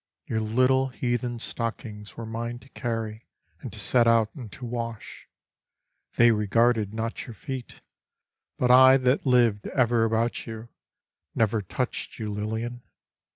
Your little heathen stockings were mine to carry And to set out and to wash. They regarded not your feet, But I that lived ever about you Never touched you, Lilian.